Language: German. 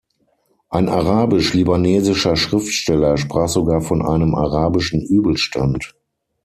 Ein arabisch-libanesischer Schriftsteller sprach sogar von einem arabischen Übelstand.